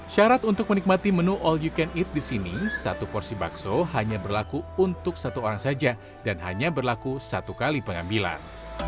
syarat untuk menikmati menu all you can eat di sini satu porsi bakso hanya berlaku untuk satu orang saja dan hanya berlaku satu kali pengambilan